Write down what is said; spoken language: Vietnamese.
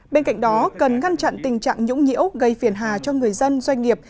bên cạnh đó cần ngăn chặn tình trạng nhũng nhiễu gây phiền hà cho người dân doanh nghiệp